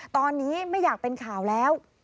ตอนนี้ไม่อยากเป็นข่าวแล้ว